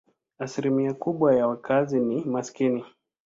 Asilimia kubwa ya wakazi ni maskini.